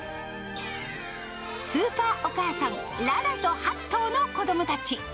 スーパーお母さん、ララと８頭の子どもたち。